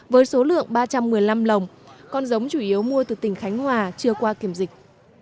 với số lượng ba trăm một mươi năm lồng con giống chủ yếu mua từ tỉnh khánh hòa chưa qua kiểm dịch